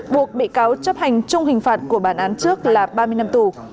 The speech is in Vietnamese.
buộc bị cáo chấp hành chung hình phạt của bản án trước là ba mươi năm tù